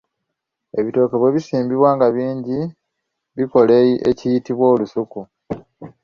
Ebitooke bwe bisimbibwa nga bingi, bikola ekiyitibwa olusuku